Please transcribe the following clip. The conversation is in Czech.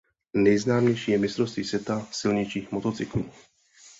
Nejznámější je mistrovství světa silničních motocyklů.